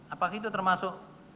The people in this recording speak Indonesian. apakah itu termasuk